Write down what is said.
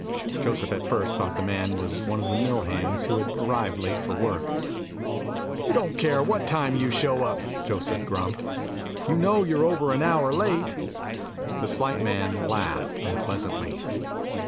Joseph at first thought the man was one of the mill hands who had arrived late for work. "You don't care what time you show up," Joseph grumped. "You know you're over an hour late?" The slight man laughed unpleasantly.